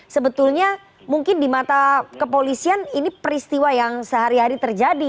sebetulnya mungkin di mata kepolisian ini peristiwa yang sehari hari terjadi